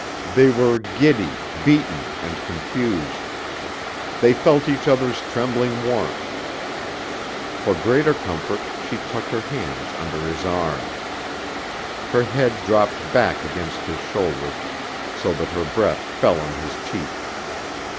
They were giddy, beaten and confused; they felt each other's trembling warmth; for greater comfort she tucked her hands under his arm. Her head dropped back against his shoulder so that her breath fell on his cheek.